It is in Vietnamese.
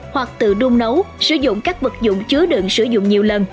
hoặc từ đun nấu sử dụng các vật dụng chứa đựng sử dụng nhiều lần